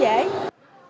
giá thịt heo